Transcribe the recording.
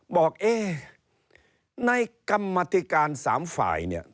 บอกเอ๊ะในกรรมธิการสามฝ่ายเนี่ย